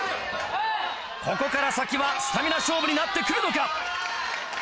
ここから先はスタミナ勝負になってくるのか？